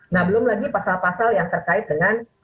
nah belum lagi pasal pasal yang terkait dengan